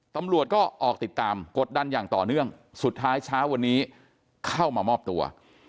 ตำรวจก็ออกติดตามกดดันอย่างต่อเนื่องสุดท้ายเช้าวันนี้เข้ามามอบตัว